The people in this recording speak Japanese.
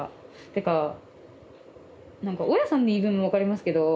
てか何か大家さんの言い分も分かりますけど。